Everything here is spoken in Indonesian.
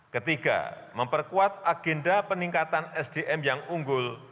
ketiga memperkuat agenda peningkatan sdm yang unggul